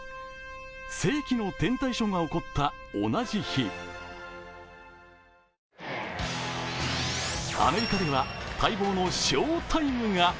世紀の天体ショーが起こった同じ日アメリカでは、待望の翔タイムが。